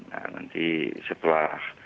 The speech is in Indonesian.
nah nanti setelah